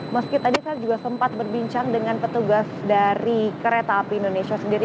meski tadi saya juga sempat berbincang dengan petugas dari kereta api indonesia sendiri